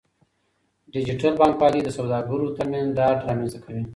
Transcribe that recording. ډیجیټل بانکوالي د سوداګرو ترمنځ ډاډ رامنځته کوي.